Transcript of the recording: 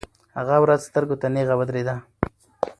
هغه ورځ سترګو ته نیغه ودرېده.